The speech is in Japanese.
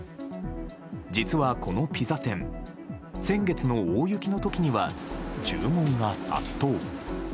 実はこのピザ店、先月の大雪のときには、注文が殺到。